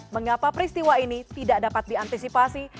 mengapa peristiwa ini tidak dapat diantisipasi